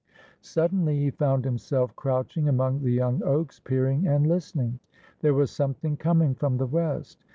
Suddenly he found himself crouching among the young oaks, peering and listening. There was something com ing from the west.